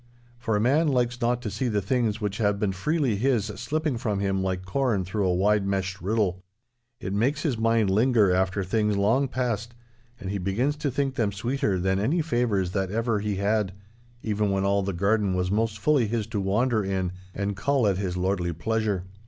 For a man likes not to see the things which have been freely his slipping from him like corn through a wide meshed riddle. It makes his mind linger after things long past, and he begins to think them sweeter than any favours that ever he had, even when all the garden was most fully his to wander in and cull at his lordly pleasure.